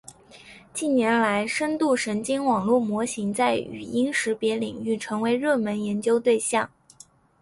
近年来，深度神经网络模型在语音识别领域成为热门研究对象。